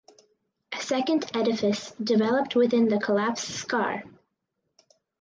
A second edifice developed within the collapse scar.